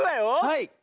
はい。